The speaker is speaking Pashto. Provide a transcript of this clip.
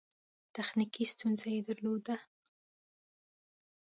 تخنیکي ستونزې یې درلودې.